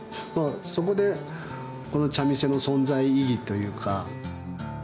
そこでこの茶店の存在意義というか。